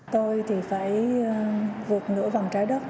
tôi thì phải vượt nửa vòng trái đất